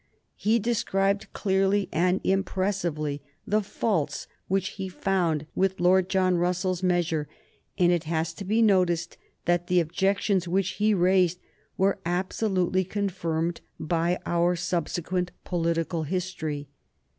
He described clearly and impressively the faults which he found with Lord John Russell's measure; and it has to be noticed that the objections which he raised were absolutely confirmed by our subsequent political history.